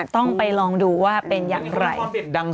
ต้องไปลองดูว่าเป็นยังไหน